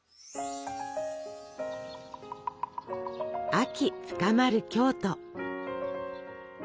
秋深まる京都。